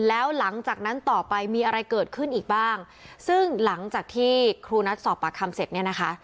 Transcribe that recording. แล้วหลังจากนั้นต่อไปมีอะไรเกิดขึ้นอีกบ้างซึ่งหลังจากที่ครูนัดสอบปากคำเสร็จเนี่ยนะคะ